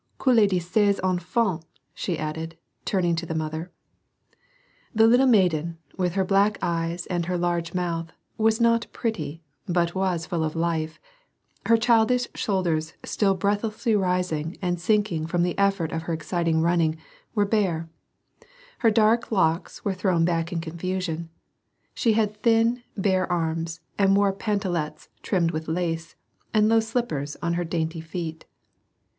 " Quelle dehcieuse enfant !" slip added, turning to the mother. The little maiden, with her black eyes and her large mouth, was not pretty, but was full of life ; her childish shoulders, ^^till breathlessly rising and sinking from the effort of her excited running, were bare ; her dark locks were thrown back in confusion ; she had thin, bare arms, and wore pantalettes trimmed with lace, and low slippers on her dainty feet.